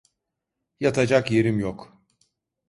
Yatacak yerim yok!